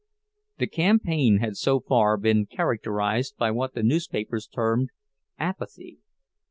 The campaign had so far been characterized by what the newspapers termed "apathy."